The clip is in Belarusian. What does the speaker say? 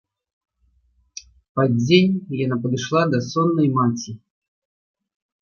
Пад дзень яна падышла да соннай маці.